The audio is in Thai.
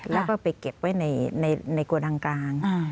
แล้วก็ไปเก็บไว้ในโกดังกลาง